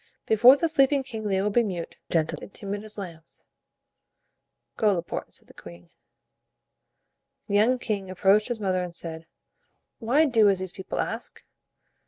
Before the sleeping king they will be mute, gentle and timid as lambs." "Go, Laporte," said the queen. The young king approached his mother and said, "Why do as these people ask?"